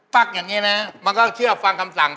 ฟักอย่างนี้นะมันก็เชื่อฟังคำสั่ง